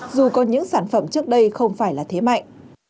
dù có những sản phẩm trước đây không phải là thế mạnh